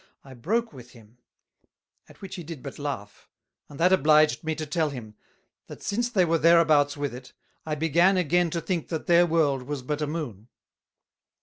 I broke with him; at which he did but laugh; and that obliged me to tell him, That since they were thereabouts with it, I began again to think that their World was but a Moon.